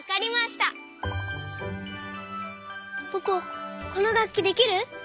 ポポこのがっきできる？